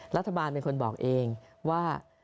รัฐบาลเป็นคนบอกเองว่า